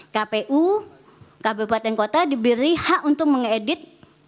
kpu kbktk diberi hak untuk mengedit